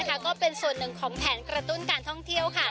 ก็เป็นส่วนหนึ่งของแผนกระตุ้นการท่องเที่ยว